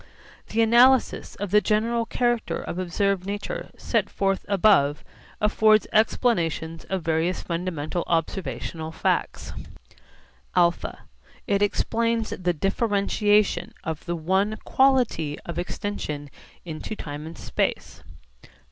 The analysis of the general character of observed nature set forth above affords explanations of various fundamental observational facts: (α) It explains the differentiation of the one quality of extension into time and space.